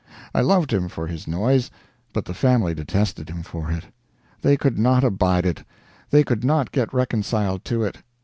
I loved him for his noise, but the family detested him for it. They could not abide it; they could not get reconciled to it.